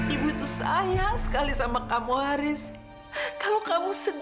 ibu nggak mau haris